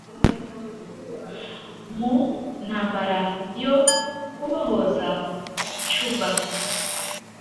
mu ntambara yo kubohoza cuba,